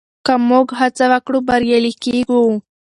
که موږ هڅه وکړو بریالي کېږو.